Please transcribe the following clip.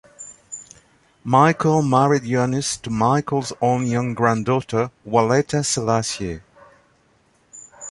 Mikael married Yohannes to Mikael's own young granddaughter, Waletta Selassie.